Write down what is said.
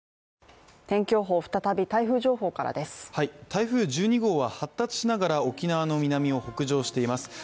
台風１２号は発達しながら、沖縄の南を北上しています。